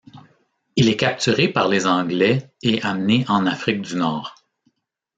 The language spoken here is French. Il est capturé par les Anglais et emmené en Afrique du Nord.